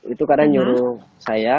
itu kadang nyuruh saya